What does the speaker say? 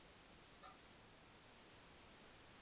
圆齿铁线蕨为铁线蕨科铁线蕨属下的一个种。